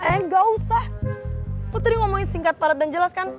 eh gak usah lo tadi ngomongin singkat padat dan jelas kan